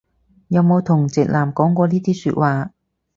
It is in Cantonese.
有冇同直男講過呢啲説話